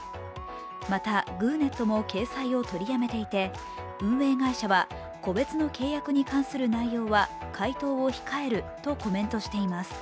またグーネットも掲載を取りやめていて運営会社は個別の契約に関する内容は回答を控えるとコメントしています。